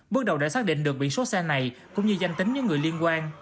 bước đầu đã xác định được bị số xe này cũng như danh tính với người liên quan